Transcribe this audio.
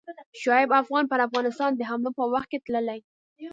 شعیب افغان پر افغانستان د حملو په وخت کې تللی.